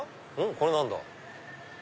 これ何だ？